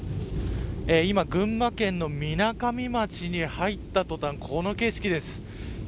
今、群馬県のみなかみ町に入った途端、この景色です。